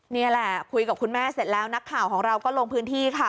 นี่แหละคุยกับคุณแม่เสร็จแล้วนักข่าวของเราก็ลงพื้นที่ค่ะ